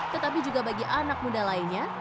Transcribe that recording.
tetapi juga bagi anak muda lainnya